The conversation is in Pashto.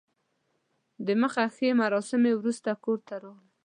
د مخه ښې مراسمو وروسته کور ته راغلم.